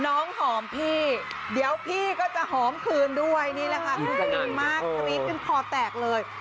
น้องหอมพี่เดี๋ยวพี่ก็จะหอมคืนด้วยนี่แหละค่ะขึ้นมากขึ้นขอแตกเลย